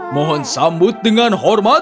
mohon sambut dengan hormat